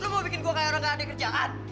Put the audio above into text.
itu mau bikin gue kayak orang gak ada kerjaan